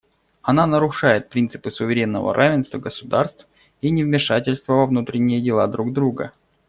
Она нарушает принципы суверенного равенства государств и невмешательства во внутренние дела друг друга.